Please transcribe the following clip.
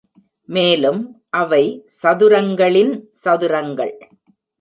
மேலும், அவை சதுரங்களின் சதுரங்கள்.